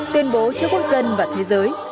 tuyên bố cho quốc dân và thế giới